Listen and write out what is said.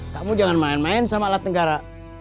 kamu jangan main main sama alat negara